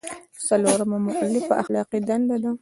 څلورمه مولفه اخلاقي دنده ده.